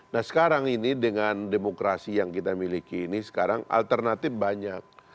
nah sekarang ini dengan demokrasi yang kita miliki ini sekarang alternatif banyak